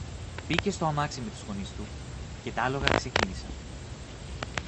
Μπήκε στο αμάξι με τους γονείς του, και τ' άλογα ξεκίνησαν